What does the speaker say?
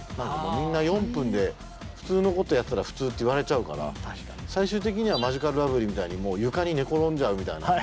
みんな４分で普通のことをやってたら普通って言われちゃうから最終的にはマヂカルラブリーみたいにもう床に寝転んじゃうみたいな。